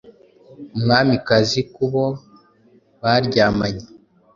Umwamikazi kubo baryamanye